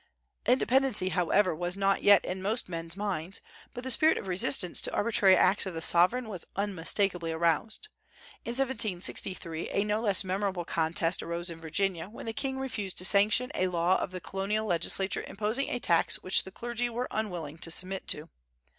Independency however, was not yet in most men's minds, but the spirit of resistance to arbitrary acts of the sovereign was unmistakably aroused. In 1763 a no less memorable contest arose in Virginia, when the king refused to sanction a law of the colonial legislature imposing a tax which the clergy were unwilling to submit to.